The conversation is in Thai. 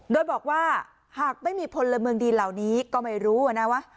โดยบอกว่าหากไม่มีพลเมืองดีเหล่านี้ก็ไม่รู้นะว่า